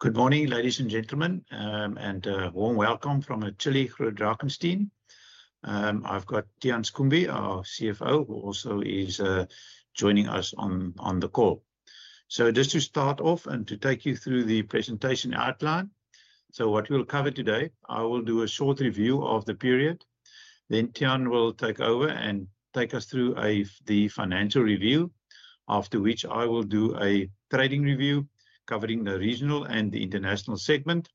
Good morning, ladies and gentlemen, and a warm welcome from a chilly Groot Drakenstein. I've got Tiaan Schoombie, our CFO, who also is joining U.S on the call. Just to start off and to take you through the presentation outline, what we'll cover today, I will do a short review of the period. Then Tiaan will take over and take U.S through the financial review, after which I will do a trading review covering the regional and the international segment,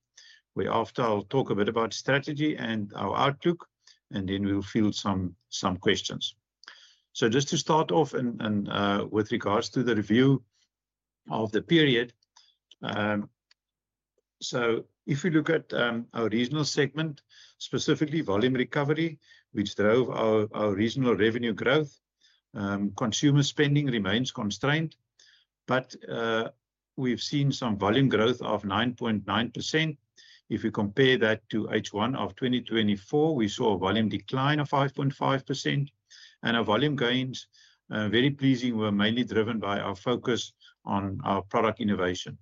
whereafter I'll talk a bit about strategy and our outlook, and then we'll field some questions. Just to start off with regards to the review of the period, if we look at our regional segment, specifically volume recovery, which drove our regional revenue growth, consumer spending remains constrained, but we've seen some volume growth of 9.9%. If we compare that to H1 of 2024, we saw a volume decline of 5.5%, and our volume gains, very pleasing, were mainly driven by our focus on our product innovation.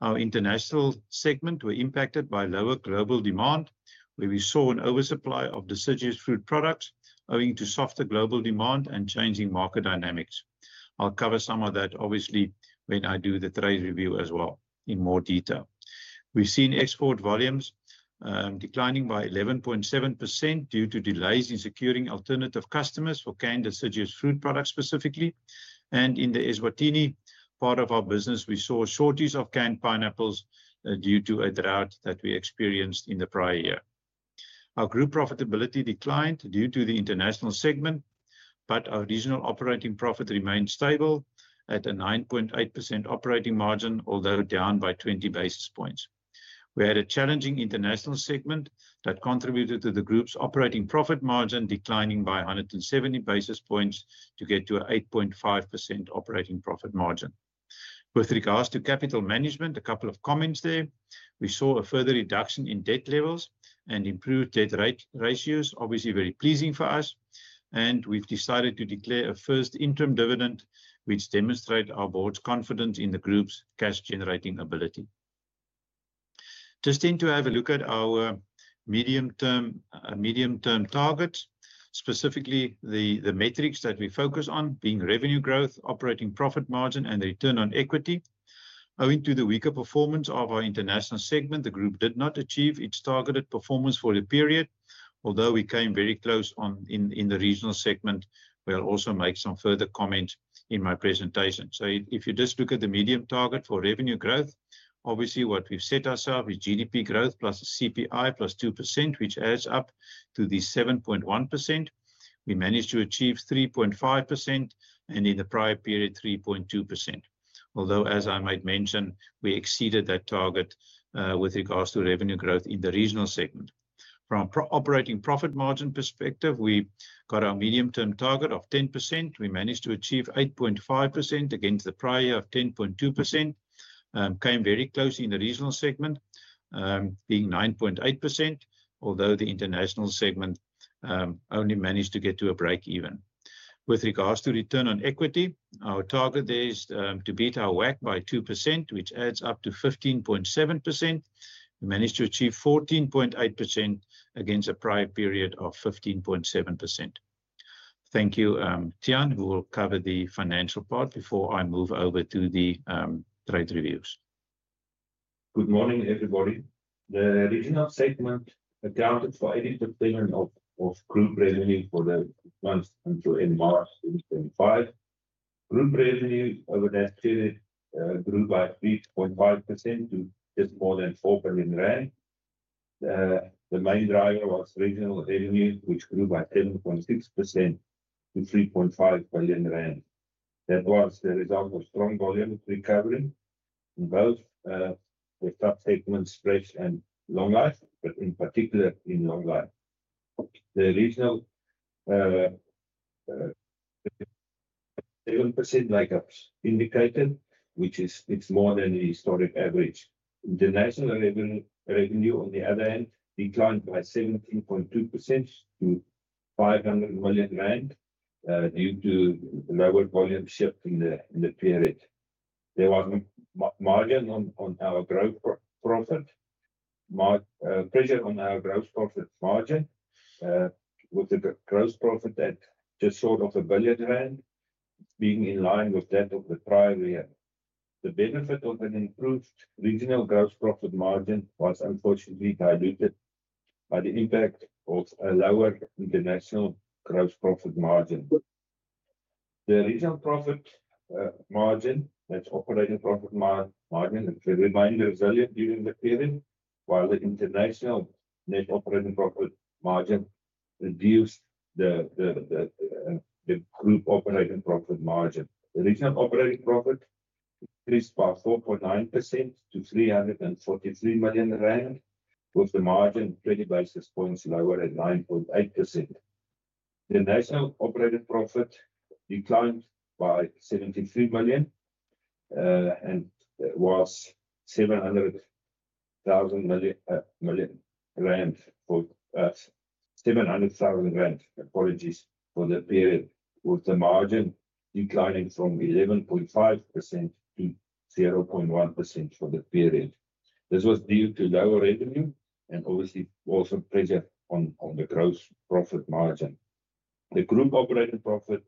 Our international segment were impacted by lower global demand, where we saw an oversupply of deciduous fruit products owing to softer global demand and changing market dynamics. I'll cover some of that, obviously, when I do the trade review as well in more detail. We've seen export volumes declining by 11.7% due to delays in securing alternative customers for canned deciduous fruit products specifically, and in the Eswatini part of our business, we saw a shortage of canned pineapples due to a drought that we experienced in the prior year. Our group profitability declined due to the international segment, but our regional operating profit remained stable at a 9.8% operating margin, although down by 20 basis points. We had a challenging international segment that contributed to the group's operating profit margin declining by 170 basis points to get to an 8.5% operating profit margin. With regards to capital management, a couple of comments there. We saw a further reduction in debt levels and improved debt ratios, obviously very pleasing for us, and we've decided to declare a first interim dividend, which demonstrates our board's confidence in the group's cash-generating ability. Just then to have a look at our medium-term targets, specifically the metrics that we focus on being revenue growth, operating profit margin, and return on equity. Owing to the weaker performance of our international segment, the group did not achieve its targeted performance for the period, although we came very close in the regional segment. We'll also make some further comments in my presentation. If you just look at the medium target for revenue growth, obviously what we've set ourselves is GDP growth plus CPI plus 2%, which adds up to 7.1%. We managed to achieve 3.5%, and in the prior period, 3.2%. Although, as I might mention, we exceeded that target with regards to revenue growth in the regional segment. From an operating profit margin perspective, we got our medium-term target of 10%. We managed to achieve 8.5% against the prior year of 10.2%, came very close in the regional segment, being 9.8%, although the international segment only managed to get to a break-even. With regards to return on equity, our target there is to beat our WACC by 2%, which adds up to 15.7%. We managed to achieve 14.8% against a prior period of 15.7%. Thank you, Tiaan, who will cover the financial part before I move over to the trade reviews. Good morning, everybody. The regional segment accounted for 80% of group revenue for the month until end March 2025. Group revenue over the period grew by 3.5% to just more than 4 billion rand. The main driver was regional revenue, which grew by 7.6% to 3.5 billion rand. That was the result of strong volume recovery in both the subsegment spreads and long life, but in particular in long life. The regional 7% leg ups indicator, which is more than the historic average. International revenue, on the other hand, declined by 17.2% to 500 million rand due to lower volume shift in the period. There was pressure on our gross profit margin, with a gross profit at just short of 1 billion rand, being in line with that of the prior year. The benefit of an improved regional gross profit margin was unfortunately diluted by the impact of a lower international gross profit margin. The regional profit margin, that's operating profit margin, which remained resilient during the period, while the international net operating profit margin reduced the group operating profit margin. The regional operating profit increased by 4.9% to 343 million rand, with the margin 20 basis points lower at 9.8%. The international operating profit declined by 73 million and was 700,000 for us. 700,000 rand, apologies, for the period, with the margin declining from 11.5% to 0.1% for the period. This was due to lower revenue and obviously also pressure on the gross profit margin. The group operating profit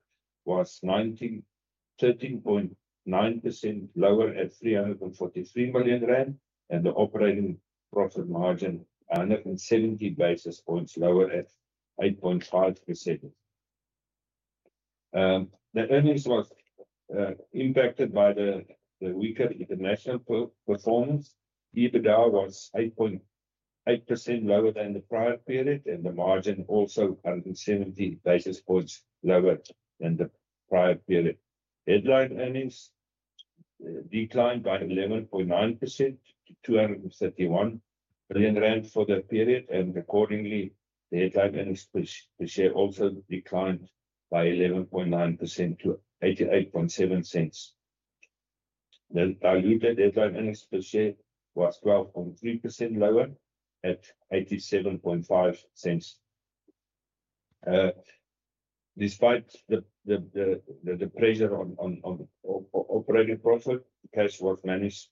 was 13.9% lower at 343 million rand, and the operating profit margin 170 basis points lower at 8.5%. The earnings were impacted by the weaker international performance. EBITDA was 8.8% lower than the prior period, and the margin also 170 basis points lower than the prior period. Headline earnings declined by 11.9% to 231 million rand for the period, and accordingly, the headline earnings per share also declined by 11.9% to 0.887. The diluted headline earnings per share was 12.3% lower at 0.875. Despite the pressure on operating profit, cash was managed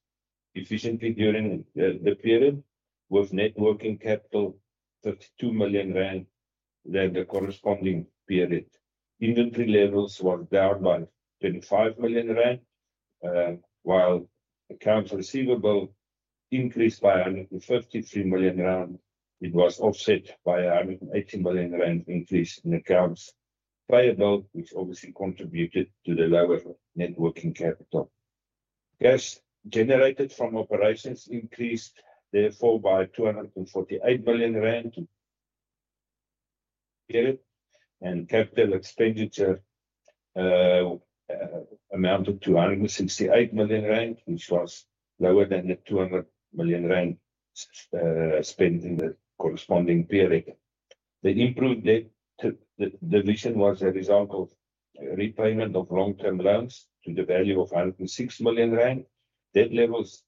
efficiently during the period, with net working capital 32 million rand lower than the corresponding period. Inventory levels were down by 25 million rand, while accounts receivable increased by 153 million rand. It was offset by a 180 million rand increase in accounts payable, which obviously contributed to the lower net working capital. Cash generated from operations increased therefore by ZAR 248 million. Capital expenditure amounted to 168 million, which was lower than the 200 million rand spent in the corresponding period. The improved debt division was a result of repayment of long-term loans to the value of 106 million rand. Debt levels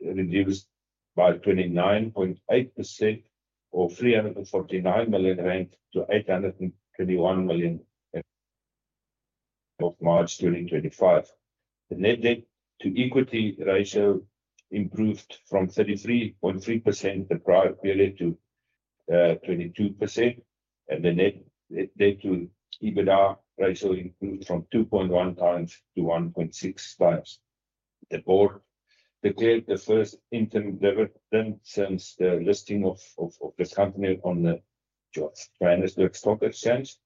reduced by 29.8% or 349 million rand to 821 million as of March 2025. The net debt to equity ratio improved from 33.3% the prior period to 22%, and the net debt to EBITDA ratio improved from 2.1 times to 1.6 times. The board declared the first interim dividend since the listing of the company on the Johannesburg Stock Exchange,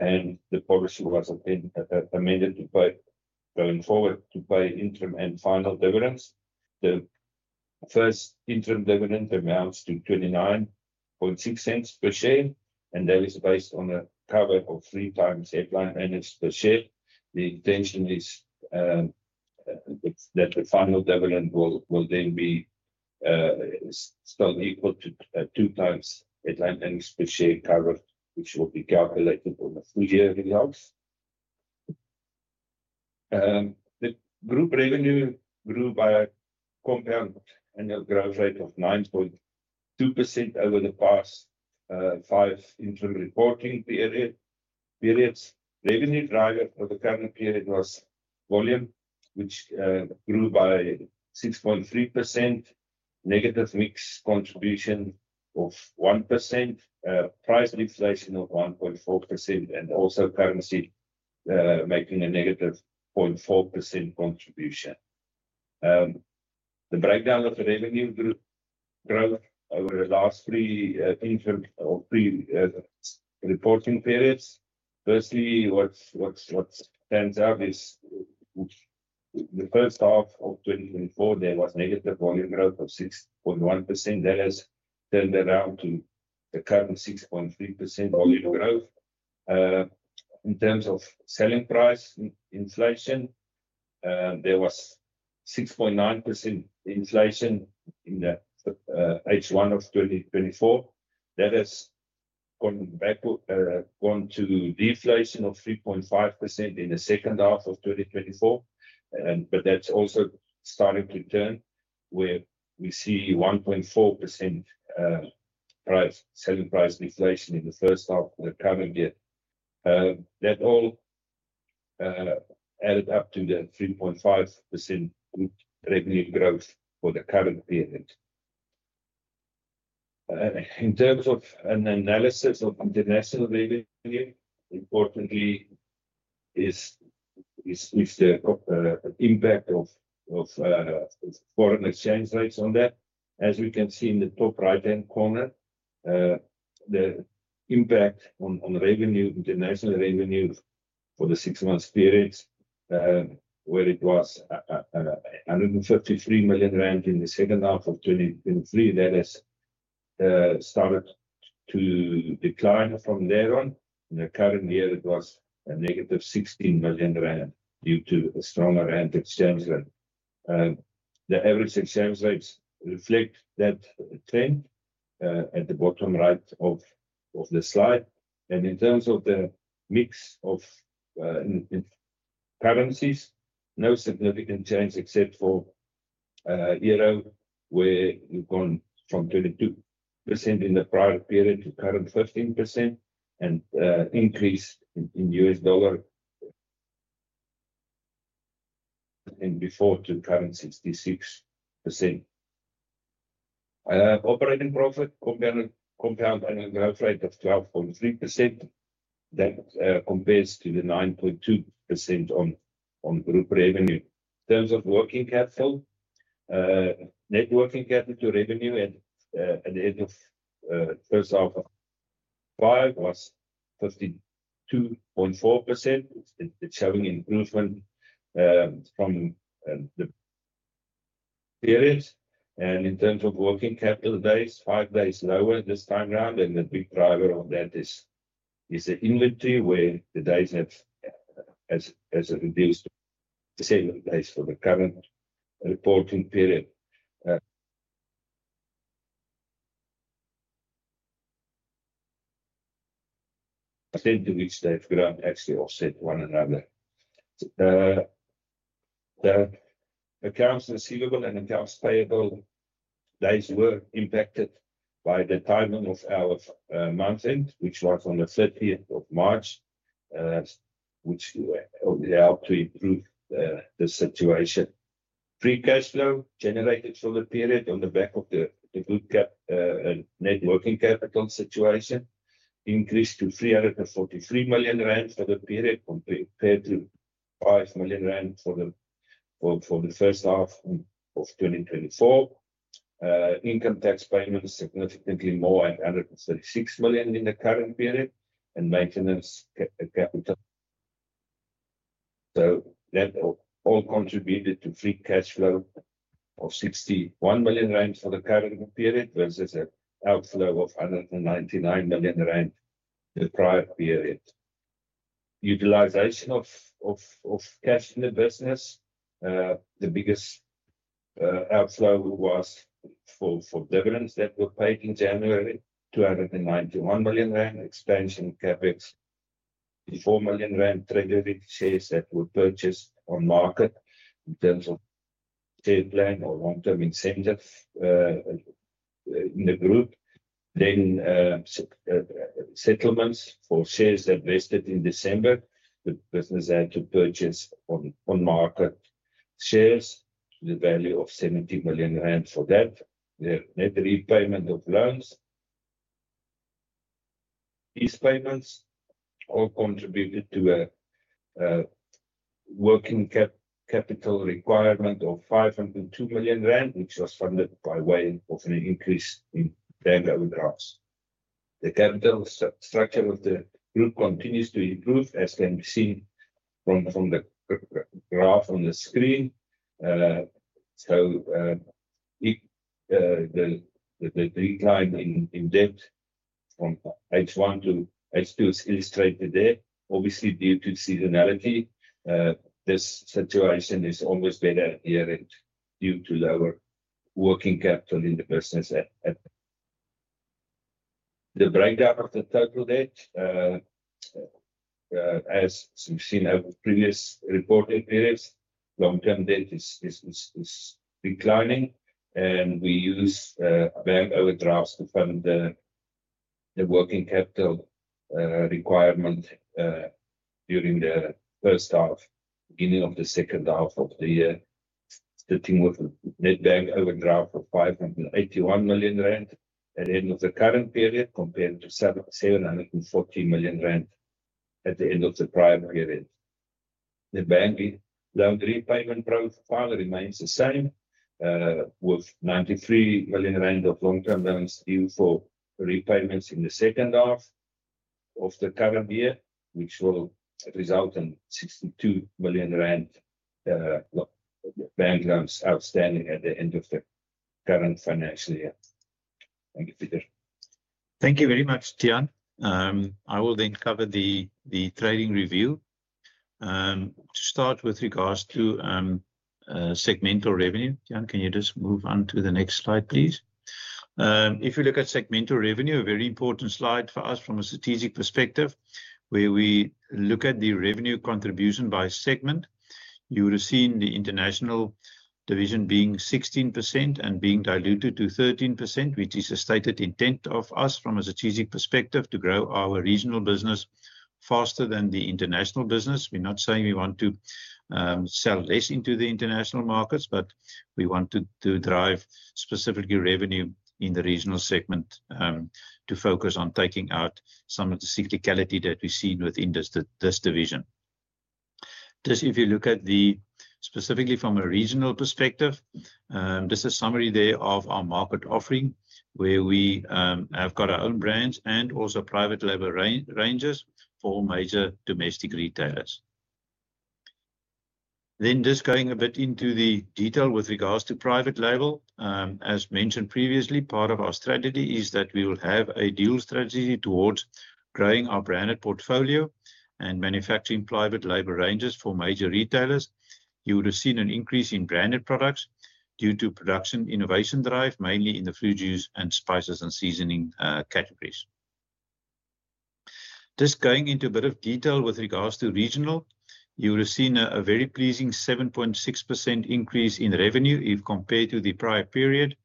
and the policy was amended to pay going forward to pay interim and final dividends. The first interim dividend amounts to 0.296 per share, and that is based on a cover of three times headline earnings per share. The intention is that the final dividend will then be still equal to two times headline earnings per share covered, which will be calculated on the full year results. The group revenue grew by a compound annual growth rate of 9.2% over the past five interim reporting periods. Revenue driver for the current period was volume, which grew by 6.3%, negative mix contribution of 1%, price inflation of 1.4%, and also currency making a negative 0.4% contribution. The breakdown of revenue growth over the last three interim reporting periods. Firstly, what stands out is the first half of 2024, there was negative volume growth of 6.1%. That has turned around to the current 6.3% volume growth. In terms of selling price inflation, there was 6.9% inflation in the H1 of 2024. That has gone back to gone to deflation of 3.5% in the second half of 2024, but that's also starting to turn where we see 1.4% selling price deflation in the first half of the current year. That all added up to the 3.5% revenue growth for the current period. In terms of an analysis of international revenue, importantly is the impact of foreign exchange rates on that. As we can see in the top right-hand corner, the impact on revenue, international revenue for the six-month period, where it was 153 million rand in the second half of 2023, that has started to decline from there on. In the current year, it was a negative 16 million rand due to a stronger rand exchange rate. The average exchange rates reflect that trend at the bottom right of the slide. In terms of the mix of currencies, no significant change except for euro, where you've gone from 22% in the prior period to current 15% and increased in U.S dollar and before to current 66%. Operating profit, compound annual growth rate of 12.3%. That compares to the 9.2% on group revenue. In terms of working capital, net working capital revenue at the end of the first half of 2025 was 52.4%. It's showing improvement from the period. In terms of working capital days, five days lower this time around. The big driver of that is the inventory, where the days have as a reduced sale of days for the current reporting period. To which they've grown actually offset one another. The accounts receivable and accounts payable days were impacted by the timing of our month end, which was on the 30th of March, which helped to improve the situation. Free cash flow generated for the period on the back of the improved net working capital situation increased to 343 million rand for the period compared to 5 million rand for the first half of 2024. Income tax payments significantly more at 136 million in the current period and maintenance capital. That all contributed to free cash flow of 61 million rand for the current period versus an outflow of 199 million rand the prior period. Utilization of cash in the business, the biggest outflow was for dividends that were paid in January, 291 million rand, expansion CapEx, 24 million rand, treasury shares that were purchased on market in terms of share plan or long-term incentive in the group. Settlements for shares that vested in December, the business had to purchase on market shares to the value of 70 million rand for that. The repayment of loans, these payments all contributed to a working capital requirement of 502 million rand, which was funded by way of an increase in bank overdrafts. The capital structure of the group continues to improve, as can be seen from the graph on the screen. The decline in debt from H1 to H2 is illustrated there. Obviously, due to seasonality, this situation is always better here due to lower working capital in the business. The breakdown of the total debt, as we've seen in previous reporting periods, long-term debt is declining, and we use bank overdrafts to fund the working capital requirement during the first half, beginning of the second half of the year, starting with a net bank overdraft of 581 million rand at the end of the current period compared to 740 million rand at the end of the prior period. The bank loan repayment profile remains the same, with 93 million rand of long-term loans due for repayments in the second half of the current year, which will result in 62 million rand bank loans outstanding at the end of the current financial year. Thank you, Pieter. Thank you very much, Tiaan. I will then cover the trading review. To start with regards to segmental revenue, Tiaan, can you just move on to the next slide, please? If you look at segmental revenue, a very important slide for us from a strategic perspective, where we look at the revenue contribution by segment, you would have seen the international division being 16% and being diluted to 13%, which is a stated intent of us from a strategic perspective to grow our regional business faster than the international business. We're not saying we want to sell less into the international markets, but we want to drive specifically revenue in the regional segment to focus on taking out some of the cyclicality that we've seen within this division. Just if you look at the specifically from a regional perspective, this is a summary there of our market offering, where we have got our own brands and also private label ranges for major domestic retailers. Just going a bit into the detail with regards to private label, as mentioned previously, part of our strategy is that we will have a dual strategy towards growing our branded portfolio and manufacturing private label ranges for major retailers. You would have seen an increase in branded products due to production innovation drive, mainly in the food juice and spices and seasoning categories. Just going into a bit of detail with regards to regional, you would have seen a very pleasing 7.6% increase in revenue if compared to the prior period,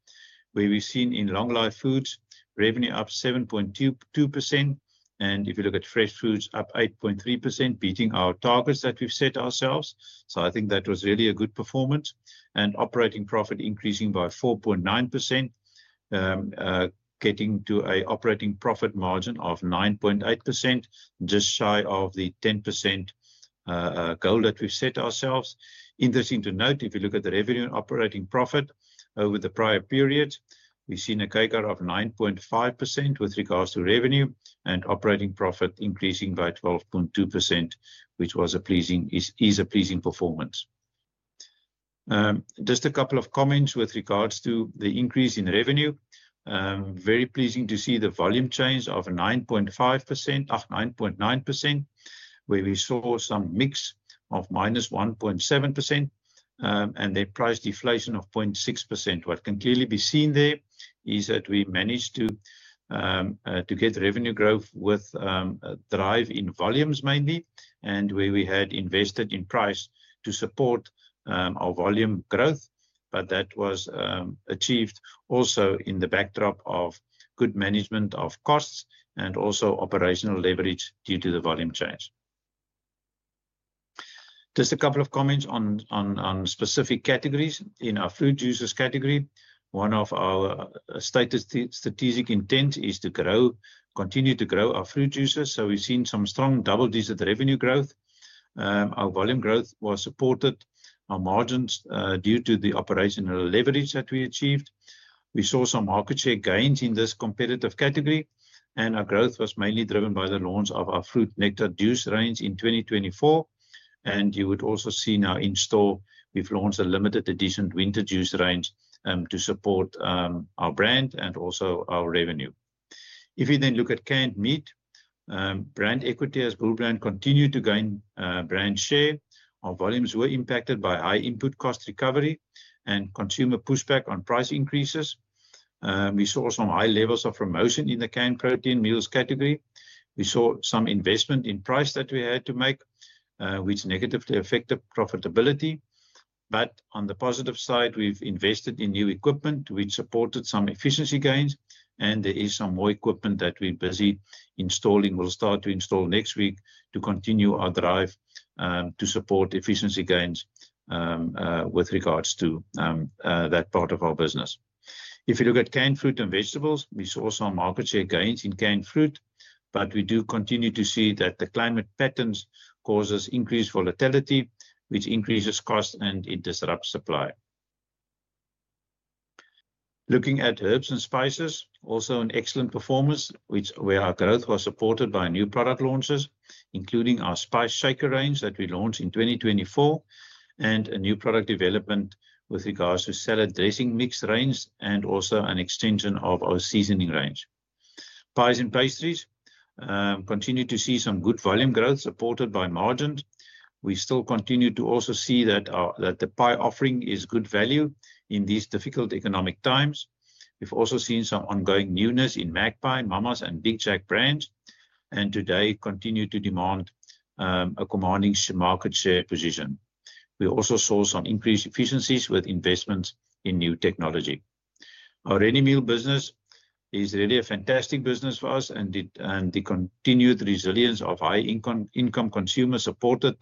where we've seen in long-life foods revenue up 7.2%. If you look at fresh foods, up 8.3%, beating our targets that we've set ourselves. I think that was really a good performance. Operating profit increasing by 4.9%, getting to an operating profit margin of 9.8%, just shy of the 10% goal that we've set ourselves. Interesting to note, if you look at the revenue and operating profit over the prior period, we've seen a CAGR of 9.5% with regards to revenue and operating profit increasing by 12.2%, which was a pleasing performance. Just a couple of comments with regards to the increase in revenue. Very pleasing to see the volume change of 9.9%, where we saw some mix of minus 1.7% and then price deflation of 0.6%. What can clearly be seen there is that we managed to get revenue growth with drive in volumes mainly, and where we had invested in price to support our volume growth, but that was achieved also in the backdrop of good management of costs and also operational leverage due to the volume change. Just a couple of comments on specific categories. In our food users category, one of our strategic intents is to continue to grow our food users. So we've seen some strong double-digit revenue growth. Our volume growth was supported by margins due to the operational leverage that we achieved. We saw some market share gains in this competitive category, and our growth was mainly driven by the launch of our fruit nectar juice range in 2024. You would also see now in store, we have launched a limited edition winter juice range to support our brand and also our revenue. If we then look at canned meat, brand equity as Bull Brand continued to gain brand share. Our volumes were impacted by high input cost recovery and consumer pushback on price increases. We saw some high levels of promotion in the canned protein meals category. We saw some investment in price that we had to make, which negatively affected profitability. On the positive side, we've invested in new equipment, which supported some efficiency gains, and there is some more equipment that we're busy installing, will start to install next week to continue our drive to support efficiency gains with regards to that part of our business. If you look at canned fruit and vegetables, we saw some market share gains in canned fruit, but we do continue to see that the climate patterns cause increased volatility, which increases cost and interrupts supply. Looking at herbs and spices, also an excellent performance, where our growth was supported by new product launches, including our spice shaker range that we launched in 2024, and a new product development with regards to salad dressing mix range and also an extension of our seasoning range. Pies and pastries continue to see some good volume growth supported by margins. We still continue to also see that the pie offering is good value in these difficult economic times. We've also seen some ongoing newness in Magpie, Mama's, and Big Jack brands, and today continue to demand a commanding market share position. We also saw some increased efficiencies with investments in new technology. Our ready meal business is really a fantastic business for us, and the continued resilience of high-income consumers supported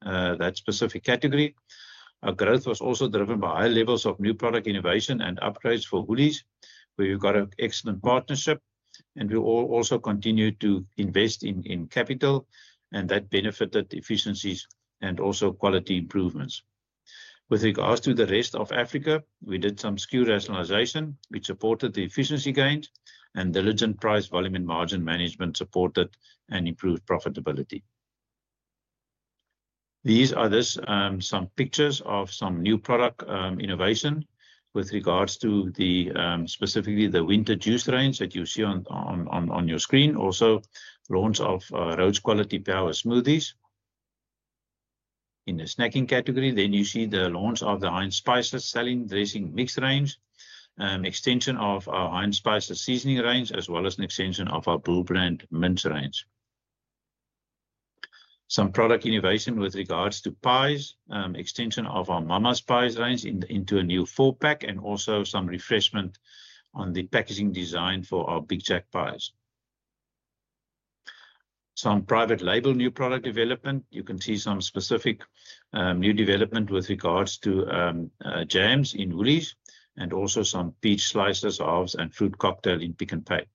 that specific category. Our growth was also driven by high levels of new product innovation and upgrades for Woolworths where we've got an excellent partnership, and we also continue to invest in capital, and that benefited efficiencies and also quality improvements. With regards to the rest of Africa, we did some skew rationalization, which supported the efficiency gains, and diligent price volume and margin management supported and improved profitability. These are just some pictures of some new product innovation with regards to specifically the winter juice range that you see on your screen. Also, launch of Rhodes Quality Power Smoothies. In the snacking category, then you see the launch of the Heinz Spices Salad Dressing Mix range, extension of our Heinz Spices Seasoning range, as well as an extension of our Bull Brand mints range. Some product innovation with regards to pies, extension of our Mama's pies range into a new four-pack, and also some refreshment on the packaging design for our Big Jack pies. Some private label new product development. You can see some specific new development with regards to jams in Woolworths and also some peach slices, olives, and fruit cocktail in Pick n Pay.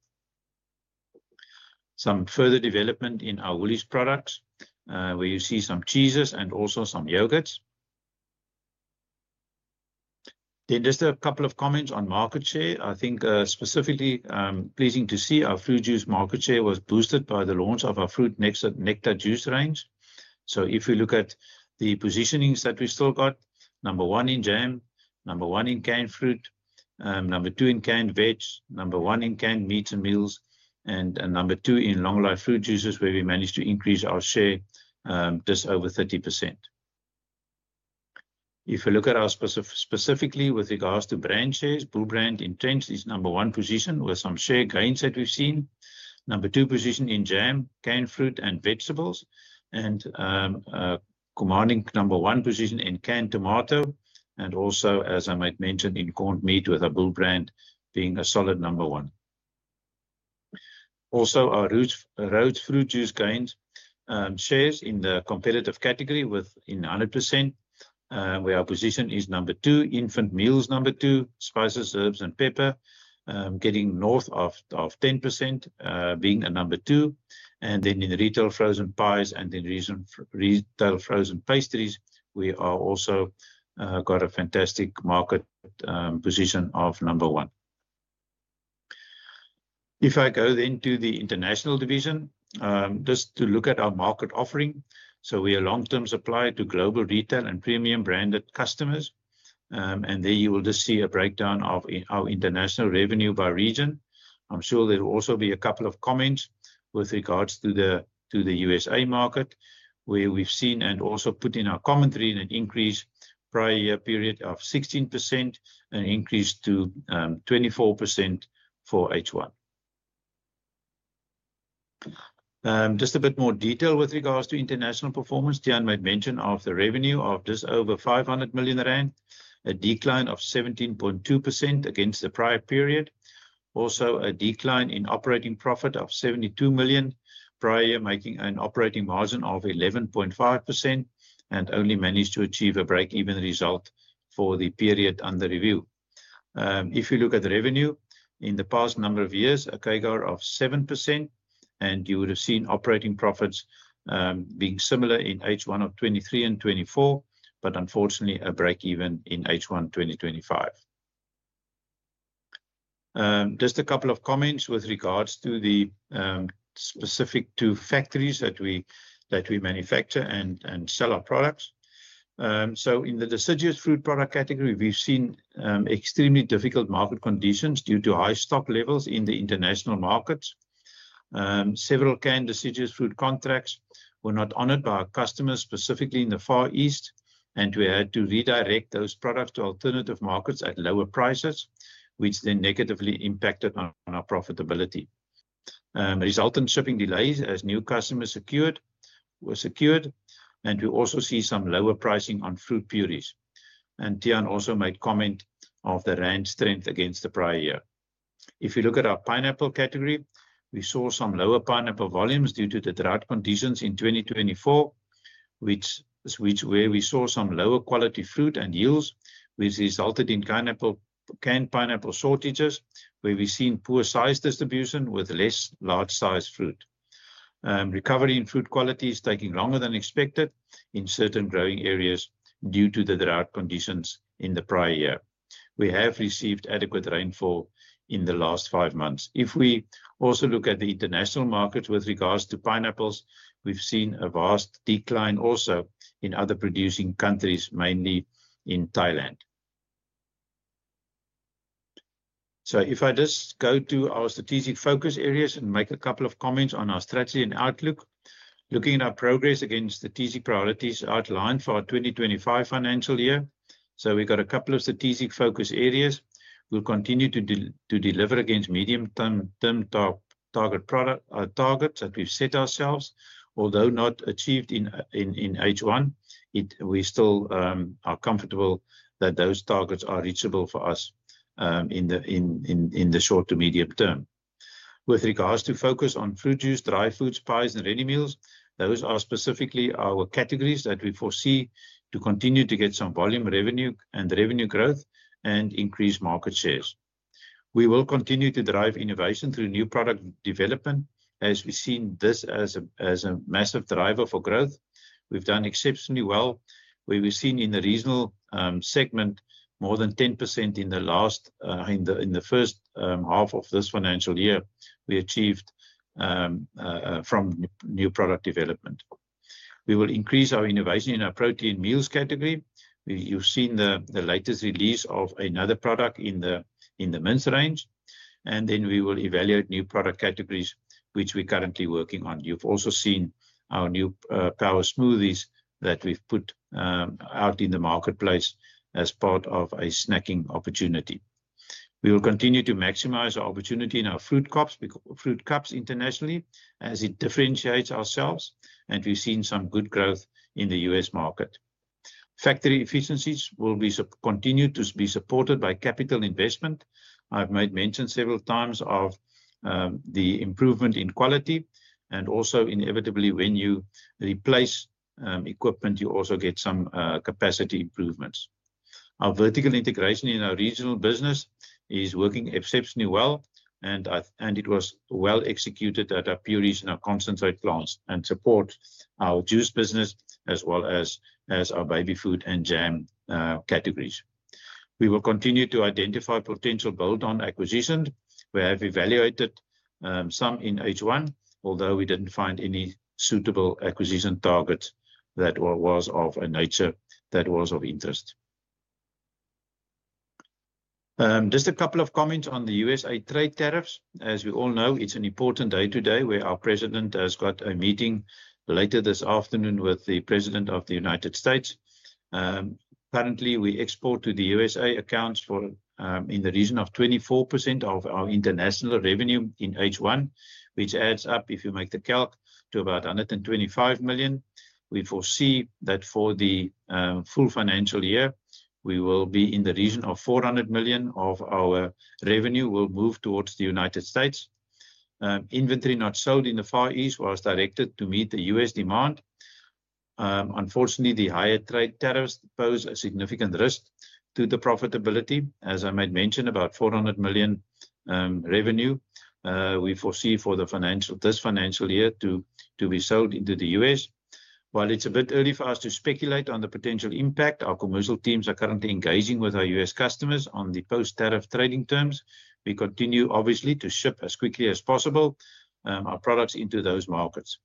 Some further development in our Woolworths products where you see some cheeses and also some yogurts. Just a couple of comments on market share. I think specifically pleasing to see our food juice market share was boosted by the launch of our fruit nectar juice range. If we look at the positionings that we still got, number one in jam, number one in canned fruit, number two in canned veg, number one in canned meats and meals, and number two in long-life fruit juices where we managed to increase our share just over 30%. If we look at our specifically with regards to brand shares, Bull Brand entrenched its number one position with some share gains that we've seen. Number two position in jam, canned fruit and vegetables, and commanding number one position in canned tomato, and also, as I might mention, in corned meat with our Bull Brand being a solid number one. Also, our Rhodes Fruit Juice gains shares in the competitive category within 100%, where our position is number two, Infant Meals number two, Spices, Herbs, and Pepper, getting north of 10%, being a number two. In retail frozen pies and in retail frozen pastries, we have also got a fantastic market position of number one. If I go then to the international division, just to look at our market offering. We are long-term supplier to global retail and premium branded customers. There you will just see a breakdown of our international revenue by region. I'm sure there will also be a couple of comments with regards to the US market where we've seen and also put in our commentary an increase prior year period of 16% and increased to 24% for H1. Just a bit more detail with regards to international performance, Tiaan might mention of the revenue of just over 500 million rand, a decline of 17.2% against the prior period. Also, a decline in operating profit of 72 million prior making an operating margin of 11.5% and only managed to achieve a break-even result for the period under review. If you look at revenue in the past number of years, a cake out of 7%, and you would have seen operating profits being similar in H1 of 2023 and 2024, but unfortunately a break-even in H1 2025. Just a couple of comments with regards to the specific to factories that we manufacture and sell our products. In the deciduous fruit product category, we've seen extremely difficult market conditions due to high stock levels in the international markets. Several canned deciduous fruit contracts were not honored by our customers specifically in the Far East, and we had to redirect those products to alternative markets at lower prices, which then negatively impacted on our profitability. Resultant shipping delays as new customers were secured, and we also see some lower pricing on fruit pures. Tiaan also might comment on the rand strength against the prior year. If you look at our pineapple category, we saw some lower pineapple volumes due to the drought conditions in 2024, which is where we saw some lower quality fruit and yields, which resulted in canned pineapple shortages where we've seen poor size distribution with less large size fruit. Recovery in fruit quality is taking longer than expected in certain growing areas due to the drought conditions in the prior year. We have received adequate rainfall in the last five months. If we also look at the international markets with regards to pineapples, we've seen a vast decline also in other producing countries, mainly in Thailand. If I just go to our strategic focus areas and make a couple of comments on our strategy and outlook, looking at our progress against strategic priorities outlined for our 2025 financial year. We've got a couple of strategic focus areas. We'll continue to deliver against medium-term targets that we've set ourselves. Although not achieved in H1, we still are comfortable that those targets are reachable for us in the short to medium term. With regards to focus on fruit juice, dry fruits, pies, and ready meals, those are specifically our categories that we foresee to continue to get some volume revenue and revenue growth and increase market shares. We will continue to drive innovation through new product development as we've seen this as a massive driver for growth. We've done exceptionally well where we've seen in the regional segment more than 10% in the first half of this financial year we achieved from new product development. We will increase our innovation in our protein meals category. You've seen the latest release of another product in the mints range, and then we will evaluate new product categories which we're currently working on. You've also seen our new power smoothies that we've put out in the marketplace as part of a snacking opportunity. We will continue to maximize our opportunity in our fruit cups internationally as it differentiates ourselves, and we've seen some good growth in the US market. Factory efficiencies will continue to be supported by capital investment. I've made mention several times of the improvement in quality and also inevitably when you replace equipment, you also get some capacity improvements. Our vertical integration in our regional business is working exceptionally well, and it was well executed at our puries and our concentrate plants and support our juice business as well as our baby food and jam categories. We will continue to identify potential build-on acquisitions where we've evaluated some in H1, although we didn't find any suitable acquisition targets that were of a nature that was of interest. Just a couple of comments on the USA trade tariffs. As we all know, it's an important day today where our president has got a meeting later this afternoon with the president of the United States. Currently, we export to the USA accounts in the region of 24% of our international revenue in H1, which adds up, if you make the calc, to about $125 million. We foresee that for the full financial year, we will be in the region of $400 million of our revenue will move towards the United States. Inventory not sold in the Far East was directed to meet the U.S demand. Unfortunately, the higher trade tariffs pose a significant risk to the profitability. As I might mention, about $400 million revenue we foresee for this financial year to be sold into the U.S. While it's a bit early for us to speculate on the potential impact, our commercial teams are currently engaging with our U.S customers on the post-tariff trading terms. We continue, obviously, to ship as quickly as possible our products into those markets.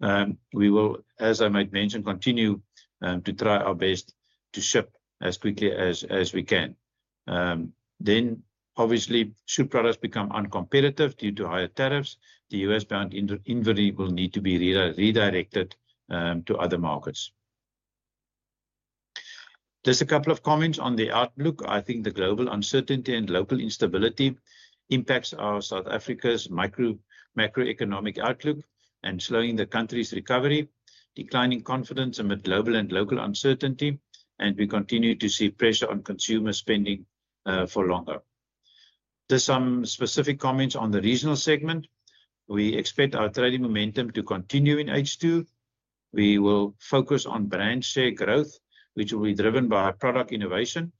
We will, as I might mention, continue to try our best to ship as quickly as we can. Obviously, should products become uncompetitive due to higher tariffs, the U.S-bound inventory will need to be redirected to other markets. Just a couple of comments on the outlook. I think the global uncertainty and local instability impacts South Africa's macroeconomic outlook and is slowing the country's recovery, declining confidence amid global and local uncertainty, and we continue to see pressure on consumer spending for longer. Just some specific comments on the regional segment. We expect our trading momentum to continue in H2. We will focus on brand share growth, which will be driven by our product innovation.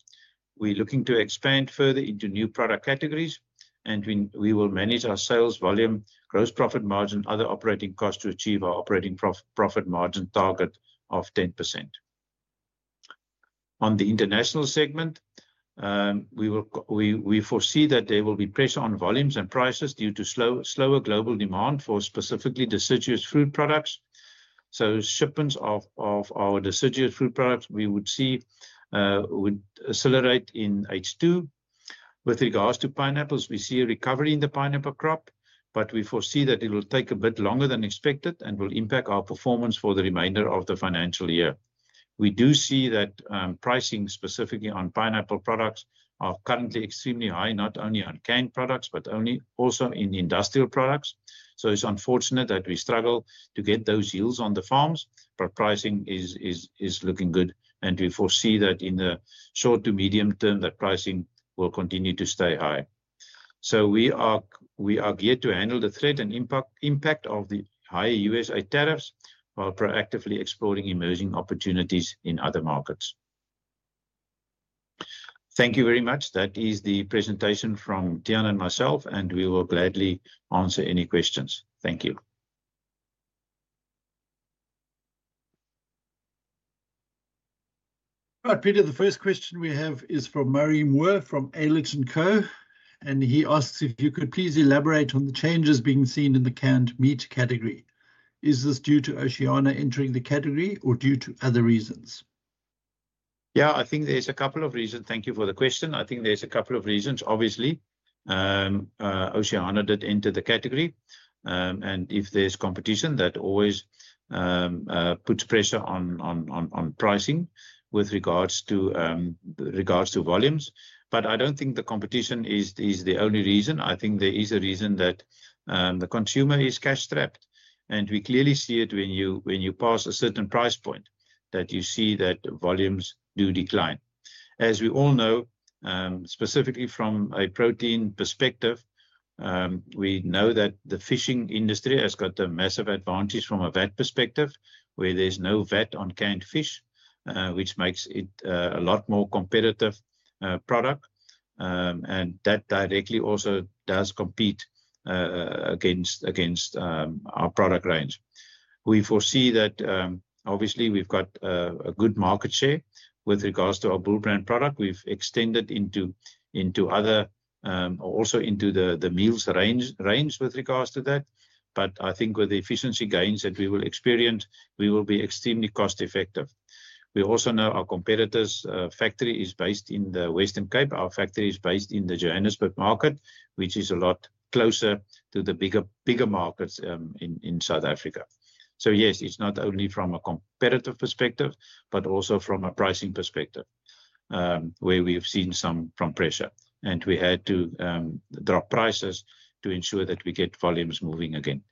We are looking to expand further into new product categories, and we will manage our sales volume, gross profit margin, and other operating costs to achieve our operating profit margin target of 10%. On the international segment, we foresee that there will be pressure on volumes and prices due to slower global demand for specifically deciduous fruit products. Shipments of our deciduous fruit products we would see would accelerate in H2. With regards to pineapples, we see a recovery in the pineapple crop, but we foresee that it will take a bit longer than expected and will impact our performance for the remainder of the financial year. We do see that pricing specifically on pineapple products is currently extremely high, not only on canned products but also in industrial products. It is unfortunate that we struggle to get those yields on the farms, but pricing is looking good, and we foresee that in the short to medium term that pricing will continue to stay high. We are geared to handle the threat and impact of the higher U.S tariffs while proactively exploring emerging opportunities in other markets. Thank you very much. That is the presentation from Tiaan and myself, and we will gladly answer any questions. Thank you. All right, Pieter, the first question we have is from Marine Wur from Eirlyx & Co., and he asks if you could please elaborate on the changes being seen in the canned meat category. Is this due to Oceana entering the category or due to other reasons? I think there are a couple of reasons. Thank you for the question. I think there are a couple of reasons, obviously. Oceana did enter the category, and if there is competition, that always puts pressure on pricing with regards to volumes. I do not think the competition is the only reason. I think there is a reason that the consumer is cash-strapped, and we clearly see it when you pass a certain price point that you see that volumes do decline. As we all know, specifically from a protein perspective, we know that the fishing industry has got a massive advantage from a VAT perspective where there is no VAT on canned fish, which makes it a lot more competitive product, and that directly also does compete against our product range. We foresee that, obviously, we have got a good market share with regards to our Bull Brand product. We have extended into other or also into the meals range with regards to that, but I think with the efficiency gains that we will experience, we will be extremely cost-effective. We also know our competitor's factory is based in the Western Cape. Our factory is based in the Johannesburg market, which is a lot closer to the bigger markets in South Africa. Yes, it's not only from a competitive perspective but also from a pricing perspective where we've seen some pressure, and we had to drop prices to ensure that we get volumes moving again.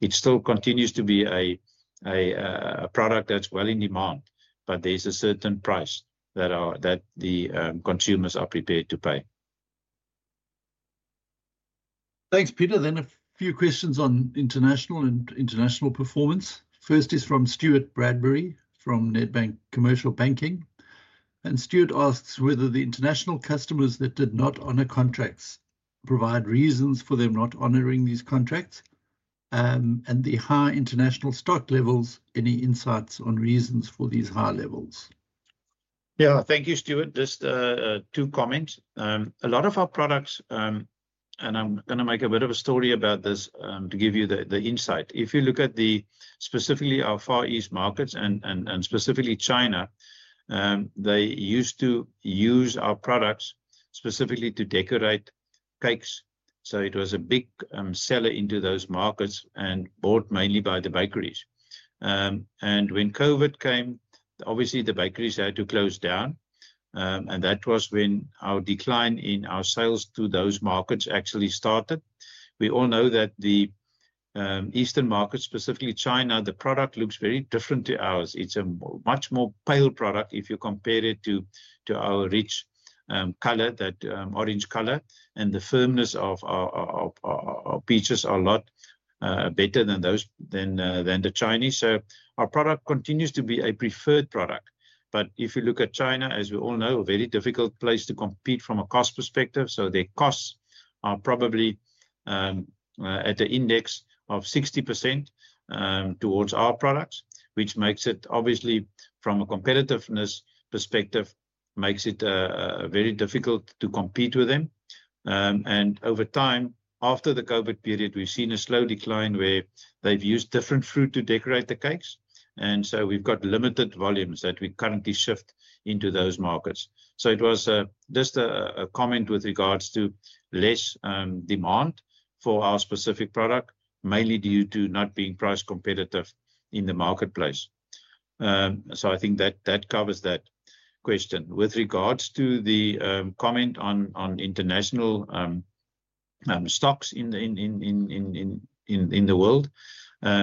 It still continues to be a product that's well in demand, but there's a certain price that the consumers are prepared to pay. Thanks, Pieter. A few questions on international and international performance. First is from Stuart Bradbury from Nedbank Commercial Banking. Stuart asks whether the international customers that did not honor contracts provide reasons for them not honoring these contracts, and the high international stock levels, any insights on reasons for these high levels? Thank you, Stuart. Just two comments. A lot of our products, and I'm going to make a bit of a story about this to give you the insight. If you look at specifically our Far East markets and specifically China, they used to use our products specifically to decorate cakes. It was a big seller into those markets and bought mainly by the bakeries. When COVID came, obviously, the bakeries had to close down, and that was when our decline in our sales to those markets actually started. We all know that the Eastern markets, specifically China, the product looks very different to ours. It's a much more pale product if you compare it to our rich color, that orange color, and the firmness of our peaches are a lot better than the Chinese. Our product continues to be a preferred product, but if you look at China, as we all know, a very difficult place to compete from a cost perspective. Their costs are probably at an index of 60% towards our products, which makes it, obviously, from a competitiveness perspective, very difficult to compete with them. Over time, after the COVID period, we've seen a slow decline where they've used different fruit to decorate the cakes, and we've got limited volumes that we currently shift into those markets. It was just a comment with regards to less demand for our specific product, mainly due to not being price competitive in the marketplace. I think that covers that question. With regards to the comment on international stocks in the world,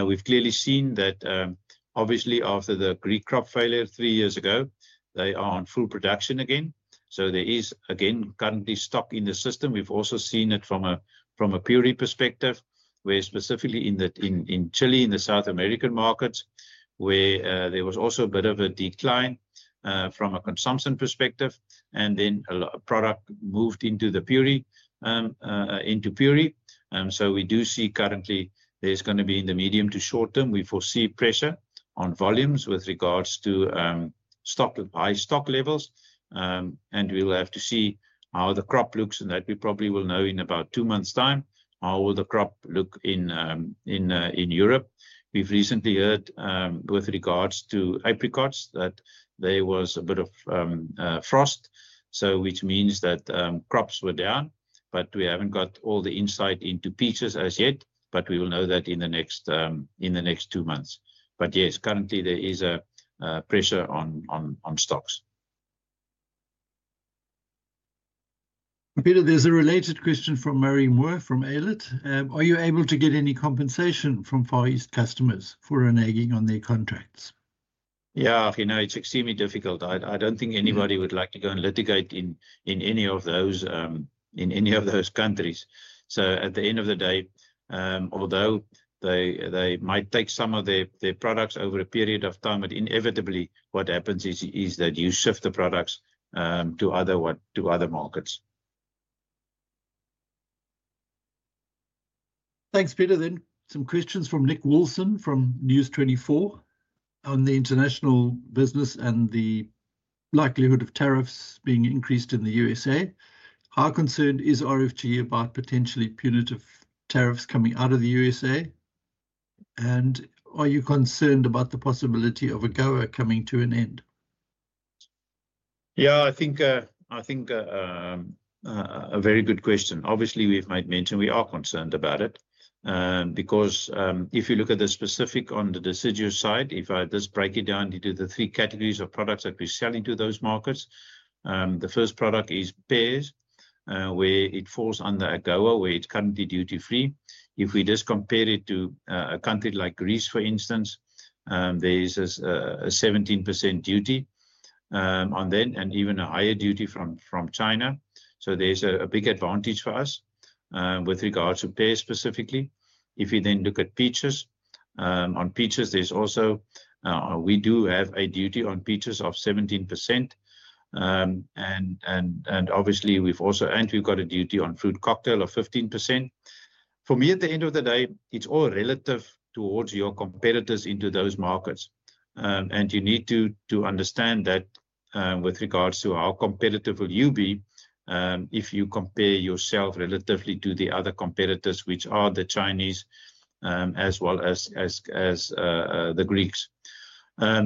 we've clearly seen that, obviously, after the Greek crop failure three years ago, they are on full production again. So there is, again, currently stock in the system. We've also seen it from a purie perspective where specifically in Chile, in the South American markets, where there was also a bit of a decline from a consumption perspective, and then a product moved into the purie. We do see currently there's going to be in the medium to short term, we foresee pressure on volumes with regards to high stock levels, and we'll have to see how the crop looks, and that we probably will know in about two months' time how will the crop look in Europe. We've recently heard with regards to apricots that there was a bit of frost, which means that crops were down, but we haven't got all the insight into peaches as yet. We will know that in the next two months. Yes, currently there is pressure on stocks. Pieter, there's a related question from Marine Wur from Eirlyt. Are you able to get any compensation from Far East customers for reneging on their contracts? Yeah, it's extremely difficult. I don't think anybody would like to go and litigate in any of those countries. At the end of the day, although they might take some of their products over a period of time, inevitably what happens is that you shift the products to other markets. Thanks, Pieter. Some questions from Nick Wilson from News24 on the international business and the likelihood of tariffs being increased in the USA. How concerned is RFG about potentially punitive tariffs coming out of the USA? Are you concerned about the possibility of a GOA coming to an end? Yeah, I think a very good question. Obviously, we've made mention we are concerned about it because if you look at the specific on the deciduous side, if I just break it down into the three categories of products that we sell into those markets, the first product is pears where it falls under a GOA where it's currently duty-free. If we just compare it to a country like Greece, for instance, there is a 17% duty on them and even a higher duty from China. There is a big advantage for us with regards to pears specifically. If you then look at peaches, on peaches, there's also we do have a duty on peaches of 17%, and obviously, we've also and we've got a duty on fruit cocktail of 15%. For me, at the end of the day, it's all relative towards your competitors into those markets, and you need to understand that with regards to how competitive will you be if you compare yourself relatively to the other competitors, which are the Chinese as well as the Greeks.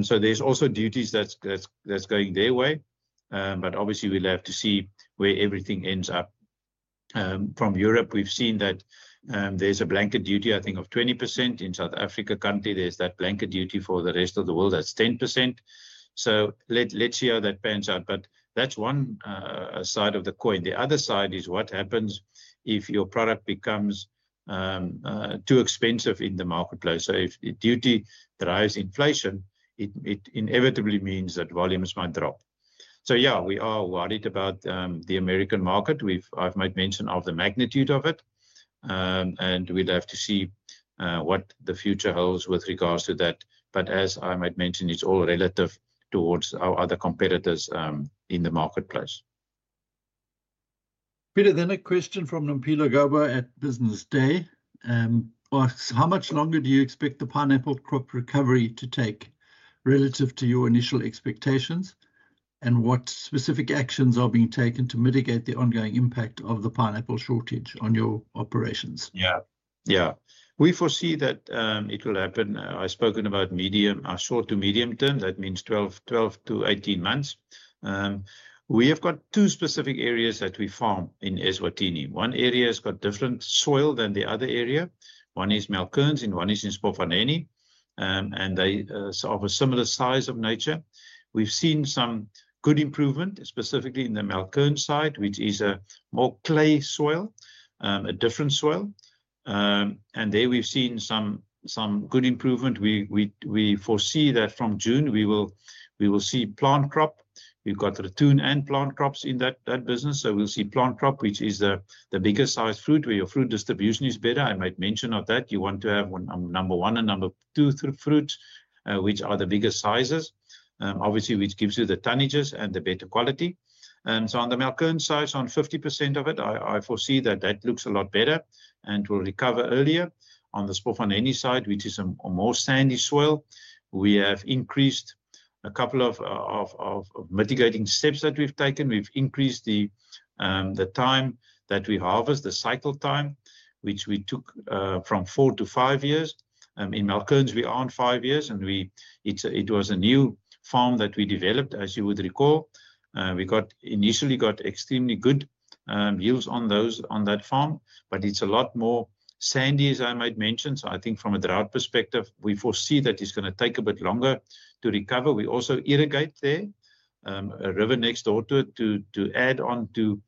So there's also duties that's going their way, but obviously, we'll have to see where everything ends up. From Europe, we've seen that there's a blanket duty, I think, of 20%. In South Africa currently, there's that blanket duty for the rest of the world, that's 10%. Let's see how that pans out, but that's one side of the coin. The other side is what happens if your product becomes too expensive in the marketplace. If duty drives inflation, it inevitably means that volumes might drop. Yeah, we are worried about the American market. I've made mention of the magnitude of it, and we'll have to see what the future holds with regards to that. As I might mention, it's all relative towards our other competitors in the marketplace. Pieter, then a question from Nampila Gaba at Business Day. How much longer do you expect the pineapple crop recovery to take relative to your initial expectations, and what specific actions are being taken to mitigate the ongoing impact of the pineapple shortage on your operations? Yeah, we foresee that it will happen. I've spoken about short to medium term. That means 12-18 months. We have got two specific areas that we farm in Eswatini. One area has got different soil than the other area. One is Malkerns, and one is in Siphofaneni, and they are of a similar size of nature. We've seen some good improvement, specifically in the Malkerns side, which is a more clay soil, a different soil, and there we've seen some good improvement. We foresee that from June, we will see plant crop. We've got raccoon and plant crops in that business, so we'll see plant crop, which is the biggest size fruit where your fruit distribution is better. I made mention of that. You want to have number one and number two fruits, which are the biggest sizes, obviously, which gives you the tonnages and the better quality. On the Malkerns side, on 50% of it, I foresee that that looks a lot better and will recover earlier. On the Siphofaneni side, which is a more sandy soil, we have increased a couple of mitigating steps that we have taken. We have increased the time that we harvest, the cycle time, which we took from four to five years. In Malkerns, we are on five years, and it was a new farm that we developed, as you would recall. We initially got extremely good yields on that farm, but it is a lot more sandy, as I might mention. I think from a drought perspective, we foresee that it is going to take a bit longer to recover. We also irrigate there, a river next door to it, to add on to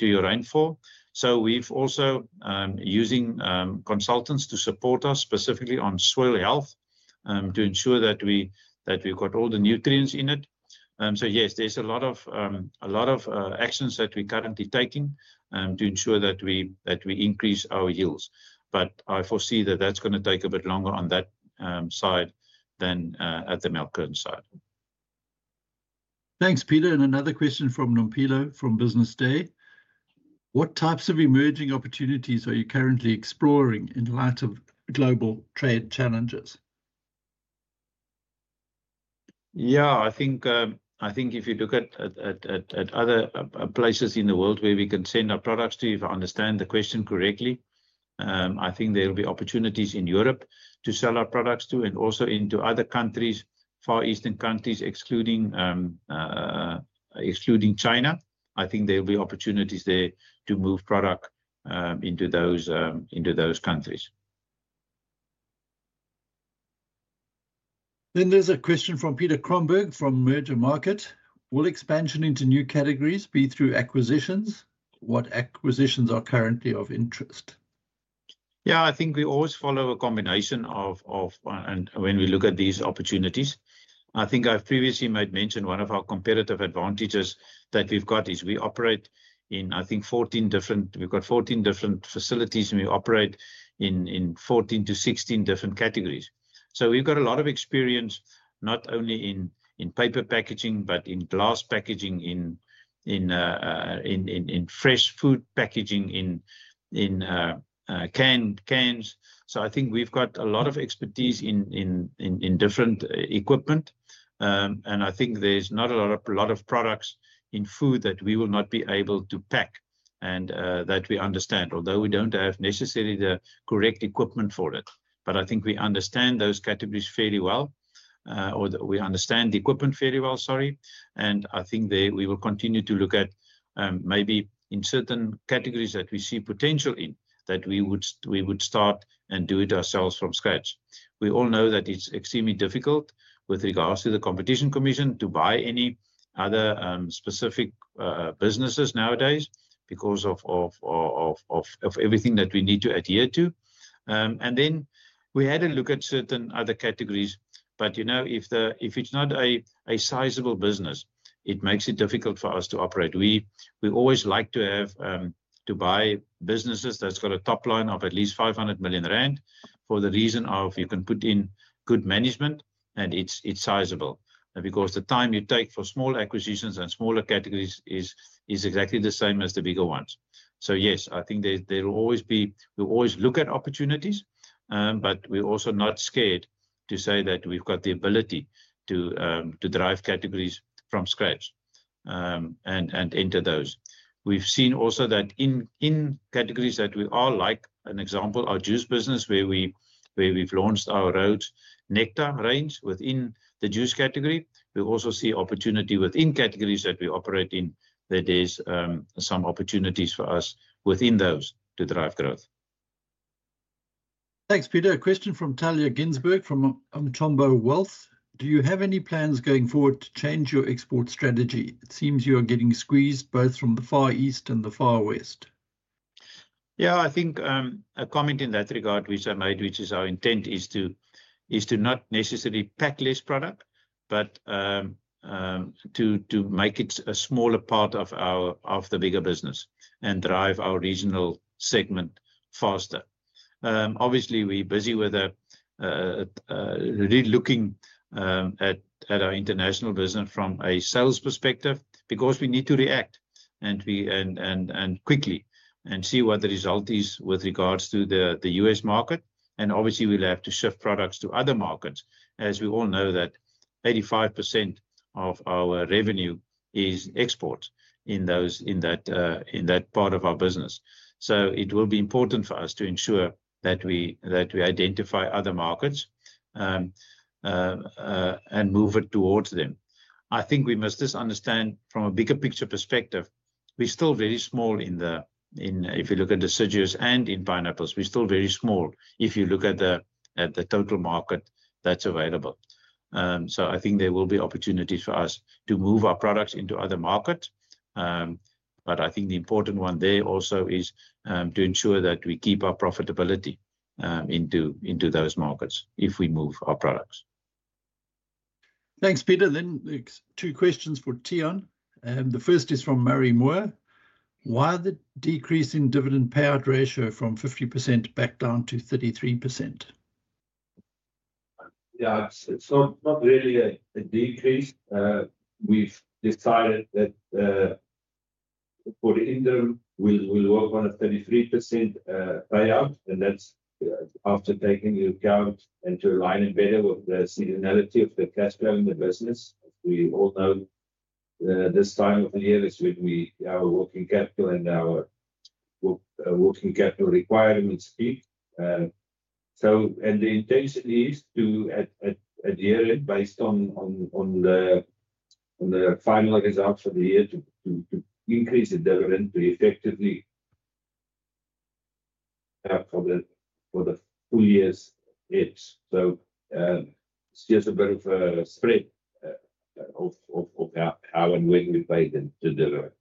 your rainfall. We have also been using consultants to support us specifically on soil health to ensure that we have all the nutrients in it. Yes, there are a lot of actions that we are currently taking to ensure that we increase our yields, but I foresee that is going to take a bit longer on that side than at the Malkerns side. Thanks, Pieter. Another question from Nampila from Business Day. What types of emerging opportunities are you currently exploring in light of global trade challenges? I think if you look at other places in the world where we can send our products to, if I understand the question correctly, I think there will be opportunities in Europe to sell our products to and also into other countries, Far Eastern countries, excluding China. I think there will be opportunities there to move product into those countries. There is a question from Pieter Kromberg from Merger Market. Will expansion into new categories be through acquisitions? What acquisitions are currently of interest? Yeah, I think we always follow a combination of when we look at these opportunities. I think I've previously made mention one of our competitive advantages that we've got is we operate in, I think, 14 different facilities, and we operate in 14-16 different categories. We have a lot of experience not only in paper packaging but in glass packaging, in fresh food packaging, in cans. I think we have a lot of expertise in different equipment, and I think there are not a lot of products in food that we will not be able to pack and that we understand, although we do not have necessarily the correct equipment for it. I think we understand those categories fairly well, or we understand the equipment fairly well, sorry. I think we will continue to look at maybe in certain categories that we see potential in that we would start and do it ourselves from scratch. We all know that it's extremely difficult with regards to the Competition Commission to buy any other specific businesses nowadays because of everything that we need to adhere to. We had a look at certain other categories, but if it's not a sizable business, it makes it difficult for us to operate. We always like to buy businesses that have a top line of at least 500 million rand for the reason of you can put in good management, and it's sizable because the time you take for small acquisitions and smaller categories is exactly the same as the bigger ones. Yes, I think there will always be, we'll always look at opportunities, but we're also not scared to say that we've got the ability to drive categories from scratch and enter those. We've seen also that in categories that we are, like, an example, our juice business where we've launched our Rhodes Nectar range within the juice category. We also see opportunity within categories that we operate in, that there's some opportunities for us within those to drive growth. Thanks, Pieter. A question from Talia Ginsburg from Mtombo Wealth. Do you have any plans going forward to change your export strategy? It seems you are getting squeezed both from the Far East and the Far West. Yeah, I think a comment in that regard, which I made, which is our intent is to not necessarily pack less product, but to make it a smaller part of the bigger business and drive our regional segment faster. Obviously, we're busy with relooking at our international business from a sales perspective because we need to react quickly and see what the result is with regards to the U.S. market. Obviously, we'll have to shift products to other markets as we all know that 85% of our revenue is export in that part of our business. It will be important for us to ensure that we identify other markets and move it towards them. I think we must just understand from a bigger picture perspective, we're still very small in the, if you look at deciduous and in pineapples, we're still very small if you look at the total market that's available. I think there will be opportunities for us to move our products into other markets, but I think the important one there also is to ensure that we keep our profitability into those markets if we move our products. Thanks, Pieter. Two questions for Tiaan. The first is from Marine Wur. Why the decrease in dividend payout ratio from 50% back down to 33%? Yeah, it's not really a decrease. We've decided that for the interim, we'll work on a 33% payout, and that's after taking into account and to align it better with the seasonality of the cash flow in the business. We all know this time of the year is when our working capital and our working capital requirements peak. The intention is to, at year-end, based on the final results for the year, increase the dividend to effectively help for the full year's hits. It is just a bit of a spread of how and when we pay the dividend.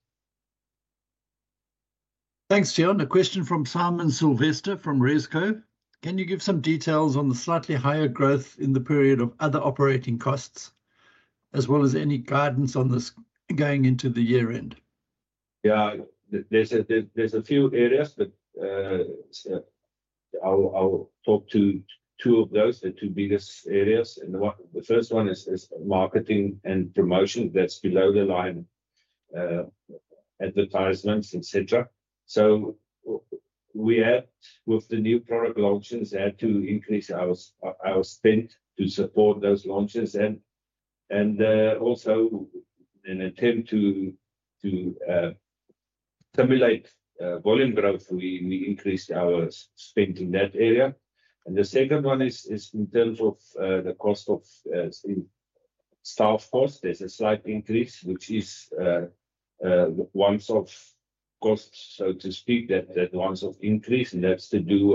Thanks, Tiaan. A question from Simon Silvester from Resco. Can you give some details on the slightly higher growth in the period of other operating costs as well as any guidance on this going into the year-end? Yeah, there are a few areas, but I'll talk to two of those, the two biggest areas. The first one is marketing and promotion. That is below the line advertisements, etc. We had, with the new product launches, to increase our spend to support those launches. Also, in an attempt to stimulate volume growth, we increased our spend in that area. The second one is in terms of the cost of staff cost, there's a slight increase, which is once-off costs, so to speak, that once-off increase, and that's to do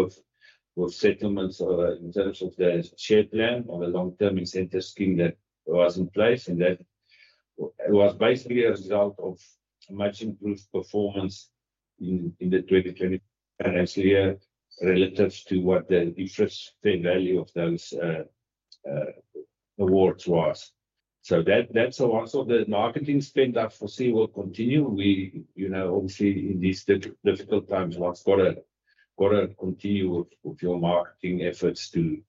with settlements in terms of the share plan on a long-term incentive scheme that was in place. That was basically a result of much improved performance in the 2020 financial year relative to what the intrinsic value of those awards was. That's also the marketing spend I foresee will continue. Obviously, in these difficult times, one's got to continue with your marketing efforts to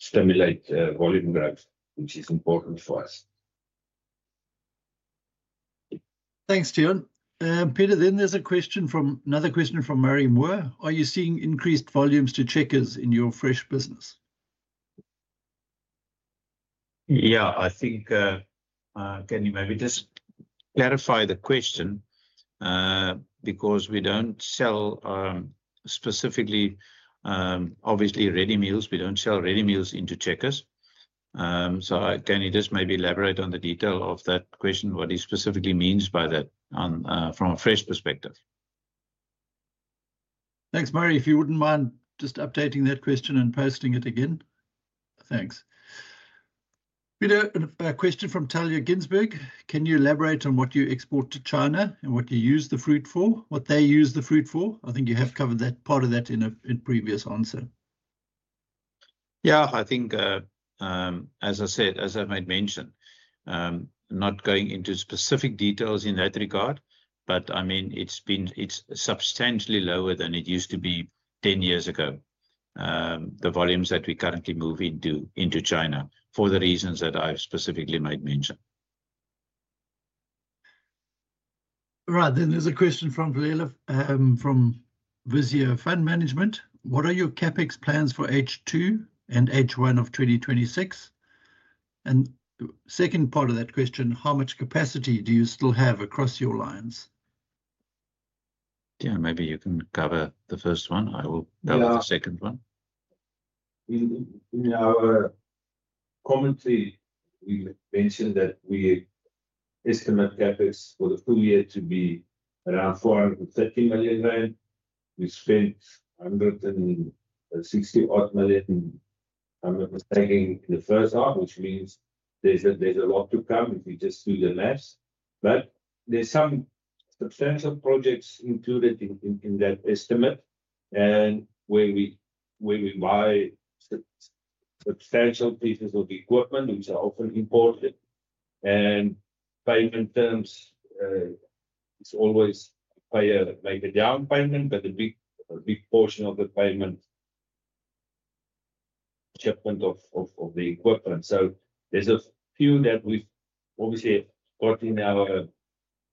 stimulate volume growth, which is important for us. Thanks, Tiaan. Pieter, then there's another question from Marine Wur. Are you seeing increased volumes to Checkers in your fresh business? Yeah, I think can you maybe just clarify the question because we do not sell specifically, obviously, ready meals. We do not sell ready meals into Checkers. Can you just maybe elaborate on the detail of that question, what he specifically means by that from a fresh perspective? Thanks, Marie. If you would not mind just updating that question and posting it again. Thanks. Pieter, a question from Talia Ginsburg. Can you elaborate on what you export to China and what you use the fruit for, what they use the fruit for? I think you have covered that part of that in a previous answer. Yeah, I think, as I said, as I've made mention, not going into specific details in that regard, but I mean, it's substantially lower than it used to be 10 years ago, the volumes that we currently move into China for the reasons that I've specifically made mention. Right. There is a question from Vizier Fund Management. What are your CapEx plans for H2 and H1 of 2026? And second part of that question, how much capacity do you still have across your lines? Tiaan, maybe you can cover the first one. I will cover the second one. In our commentary, we mentioned that we estimate CapEx for the full year to be around 430 million rand. We spent 160-odd million in the first half, which means there's a lot to come if you just do the maths. There are some substantial projects included in that estimate where we buy substantial pieces of equipment, which are often imported. Payment terms, it's always pay a down payment, but a big portion of the payment is shipment of the equipment. There are a few that we've obviously got in our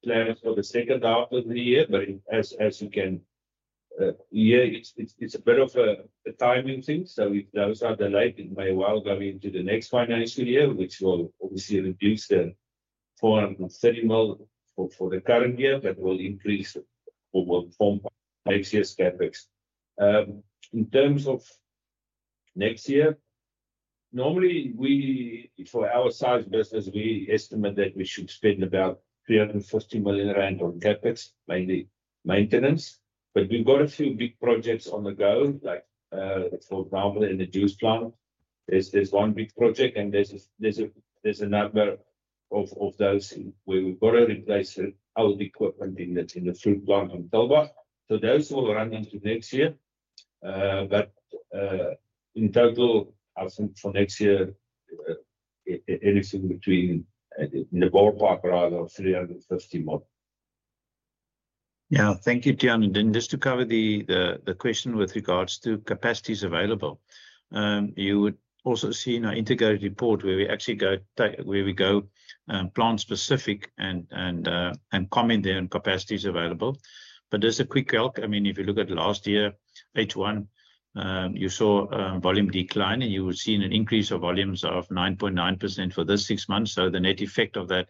plans for the second half of the year, but as you can hear, it's a bit of a timing thing. If those are delayed, it may well go into the next financial year, which will obviously reduce the ZAR 430 million for the current year, but will increase for HCS CapEx. In terms of next year, normally, for our size business, we estimate that we should spend about 350 million rand on CapEx, mainly maintenance. We've got a few big projects on the go, for example, in the juice plant. There's one big project, and there's a number of those where we've got to replace our equipment in the fruit plant in Tulbagh. Those will run into next year. In total, I think for next year, anything in the ballpark, rather, of 350 million. Yeah. Thank you, Tiaan. Just to cover the question with regards to capacities available, you would also see in our integrated report where we actually go plant-specific and comment there on capacities available. There's a quick calc. I mean, if you look at last year, H1, you saw volume decline, and you would see an increase of volumes of 9.9% for the six months. The net effect of that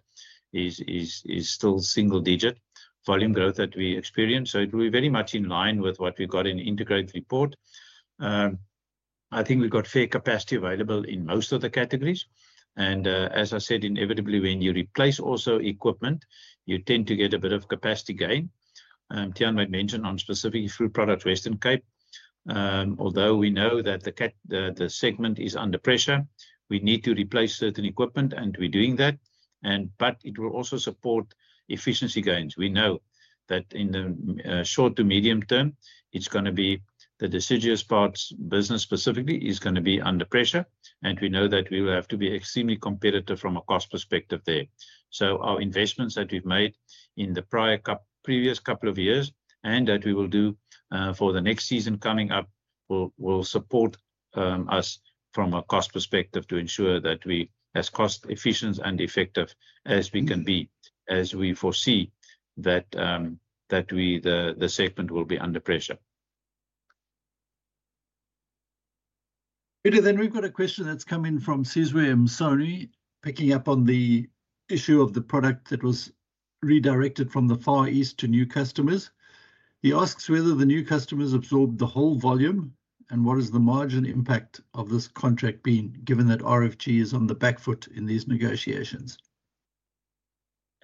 is still single-digit volume growth that we experience. It will be very much in line with what we've got in the integrated report. I think we've got fair capacity available in most of the categories. As I said, inevitably, when you replace also equipment, you tend to get a bit of capacity gain. Tiaan made mention on specifically fruit product Western Cape. Although we know that the segment is under pressure, we need to replace certain equipment, and we're doing that. It will also support efficiency gains. We know that in the short to medium term, it's going to be the deciduous parts business specifically is going to be under pressure. We know that we will have to be extremely competitive from a cost perspective there. Our investments that we've made in the previous couple of years and that we will do for the next season coming up will support us from a cost perspective to ensure that we are as cost-efficient and effective as we can be as we foresee that the segment will be under pressure. Pieter, then we've got a question that's come in from Sizwe Msoni, picking up on the issue of the product that was redirected from the Far East to new customers. He asks whether the new customers absorbed the whole volume and what is the margin impact of this contract being, given that RFG is on the back foot in these negotiations.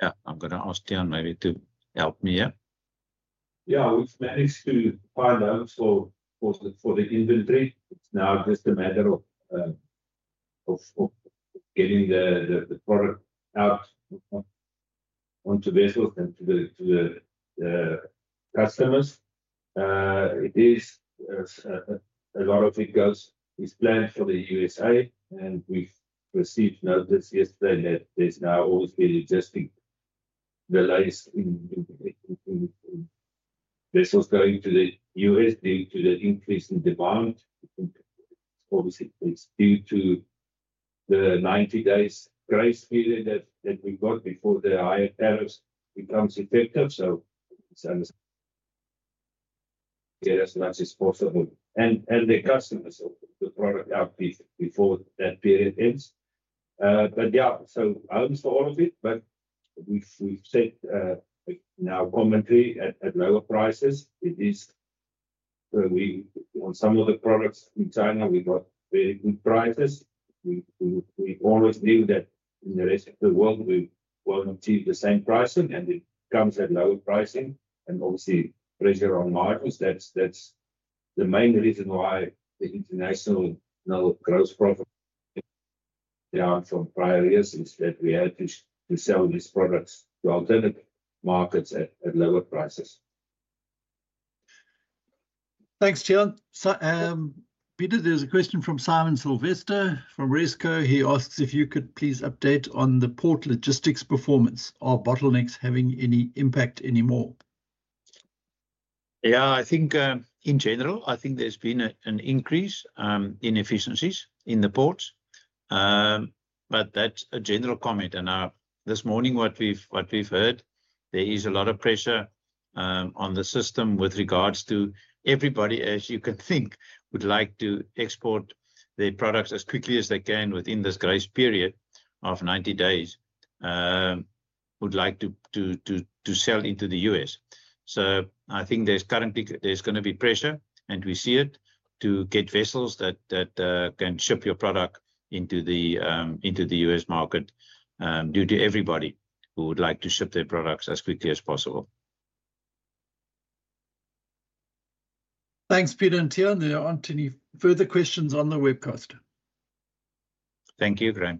Yeah, I'm going to ask Tiaan maybe to help me up. Yeah, we've managed to find out for the inventory. It's now just a matter of getting the product out onto vessels and to the customers. A lot of it is planned for the USA, and we've received notice yesterday that there's now always been adjusting the latest vessels going to the U.S due to the increase in demand. Obviously, it's due to the 90-day grace period that we've got before the higher tariffs become effective. It's as much as possible, and the customers want the product out before that period ends. I'll just follow a bit, but we've said now commentary at lower prices. On some of the products in China, we've got very good prices. We always knew that in the rest of the world, we won't achieve the same pricing, and it comes at lower pricing. Obviously, pressure on margins, that's the main reason why the international gross profit from prior years is that we had to sell these products to alternative markets at lower prices. Thanks, Tiaan. Pieter, there's a question from Simon Silvester from Resco. He asks if you could please update on the port logistics performance, are bottlenecks having any impact anymore? Yeah, I think in general, I think there's been an increase in efficiencies in the ports. That is a general comment. This morning, what we've heard, there is a lot of pressure on the system with regards to everybody, as you can think, would like to export their products as quickly as they can within this grace period of 90 days, would like to sell into the U.S. I think there's going to be pressure, and we see it, to get vessels that can ship your product into the U.S market due to everybody who would like to ship their products as quickly as possible. Thanks, Pieter and Tiaan. There aren't any further questions on the webcast. Thank you. Great.